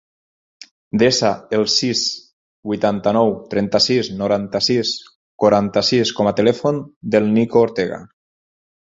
Desa el sis, vuitanta-nou, trenta-sis, noranta-sis, quaranta-sis com a telèfon del Nico Ortega.